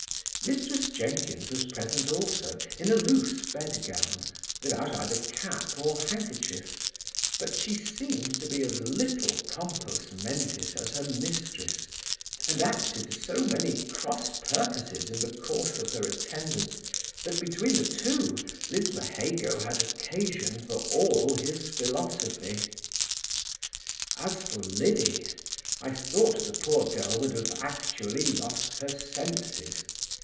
Mrs Jenkins was present also, in a loose bed gown, without either cap or handkerchief; but she seemed to be as little compos mentis as her mistress, and acted so many cross purposes in the course of her attendance, that, between the two, Lismahago had occasion for all his philosophy. As for Liddy, I thought the poor girl would have actually lost her senses.